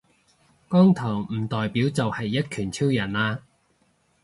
光頭唔代表就係一拳超人呀